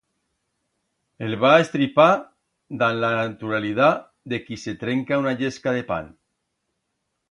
El va estripar dan la naturalidat de qui se trenca una llesca de pan.